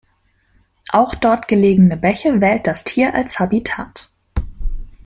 Auch dort gelegene Bäche wählt das Tier als Habitat.